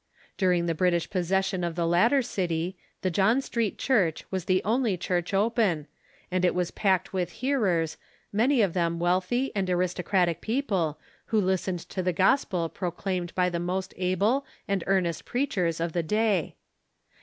During the British possession of the latter city, the John Street Church was the only church open, and it was packed with hearers, many of them wealthy and aristocratic people, who listened to the gos pel proclaimed by the most able and earnest preachers of the day.